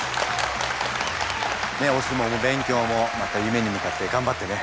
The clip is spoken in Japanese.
ねっお相撲も勉強もまた夢に向かって頑張ってね。